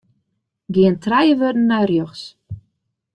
Gean trije wurden nei rjochts.